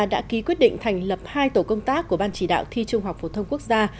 đã ký quyết định thành lập hai tổ công tác của ban chỉ đạo thi trung học phổ thông quốc gia